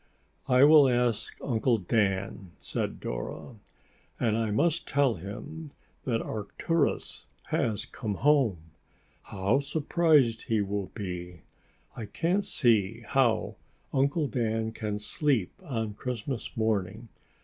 "I will ask Uncle Dan," said Dora. "And I must tell him that Arcturus has come home. How surprised he will be! I can't see how Uncle Dan can sleep on Christmas morning.